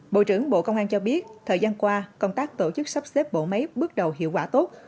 bộ trưởng bộ công an cho biết thời gian qua công tác tổ chức sắp xếp bộ máy bước đầu hiệu quả tốt